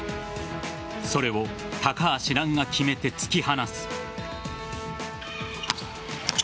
それを高橋藍が決めて、突き放す。